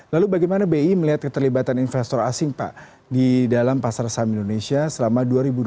lalu bagaimana bi melihat keterlibatan investor asing pak di dalam pasar saham indonesia selama dua ribu dua puluh